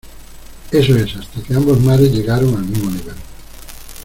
eso es, hasta que ambos mares llegaron al mismo nivel.